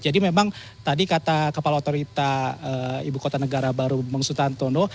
jadi memang tadi kata kepala otorita ibu kota negara baru bang sutantono